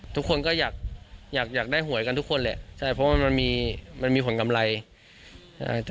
ทุกคนก็อยากอยากได้หวยกันทุกคนแหละใช่เพราะว่ามันมีมันมีผลกำไร